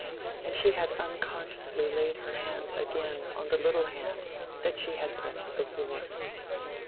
And she had unconsciously laid her hand again on the little hand that she had pressed before.